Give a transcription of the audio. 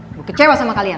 ibu kecewa sama kalian